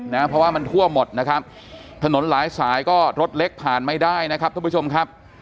นะเพราะว่ามันทั่วหมดนะครับถนนหลายสายก็รถเล็กผ่านไม่ได้นะครับท่านผู้ชมครับ